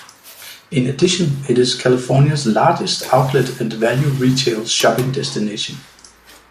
In addition, it is California's largest outlet and value retail shopping destination.